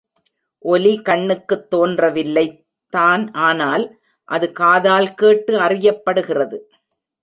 ஒலி கண்ணுக்குத் தோன்றவில்லை தான் ஆனால் அது காதால் கேட்டு அறியப்படுகிறது.